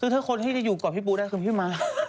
คือที่คนที่อยู่กว่าพี่ปุ๊กได้คือพี่มา